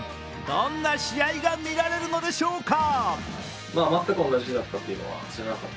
どんな試合が見られるのでしょうか。